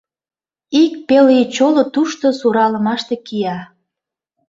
Ик пел ий чоло тушто суралымаште кия.